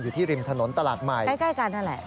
ริมถนนตลาดใหม่ใกล้กันนั่นแหละ